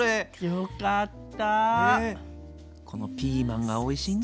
よかった。